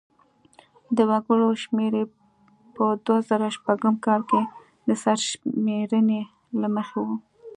د وګړو شمېر یې په دوه زره شپږم کال د سرشمېرنې له مخې و.